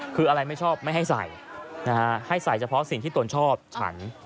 คืออะไรไม่ชอบไม่ให้ใส่นะฮะให้ใส่เฉพาะสิ่งที่ตนชอบฉัน